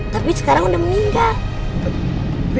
tapi sekarang udah meninggal